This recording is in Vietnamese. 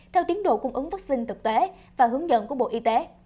theo tiến độ cung ứng vaccine thực tế và hướng dẫn của bộ y tế